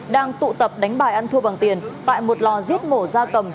đang tụ tập đánh bài ăn thua bằng tiền tại một lò giết mổ da cầm